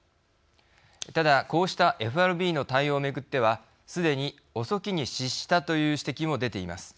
ただこうしたＦＲＢの対応をめぐってはすでに遅きに失したという指摘も出ています。